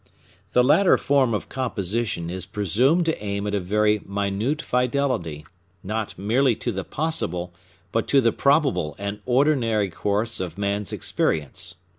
The latter form of composition is presumed to aim at a very minute fidelity, not merely to the possible, but to the probable and ordinary course of man's experience.